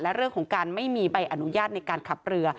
และเรื่องของการไม่มีใบอนุญาตในการขับเรือ